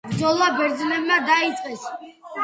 ბრძოლა ბერძნებმა დაიწყეს.